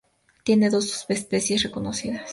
Tiene dos subespecies reconocidas.